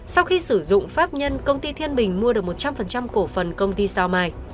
sau khi sử dụng pháp nhân công ty thiên bình mua được một trăm linh cổ phần công ty sao mai